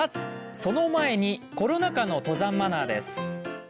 その前にコロナ禍の登山マナーです。